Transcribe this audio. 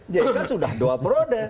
j kan sudah dua perode